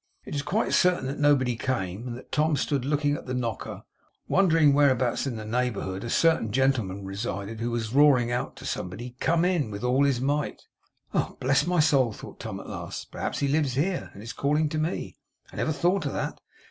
It is quite certain that nobody came, and that Tom stood looking at the knocker; wondering whereabouts in the neighbourhood a certain gentleman resided, who was roaring out to somebody 'Come in!' with all his might. 'Bless my soul!' thought Tom at last. 'Perhaps he lives here, and is calling to me. I never thought of that.